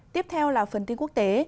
tiếp theo là phần tin quốc tế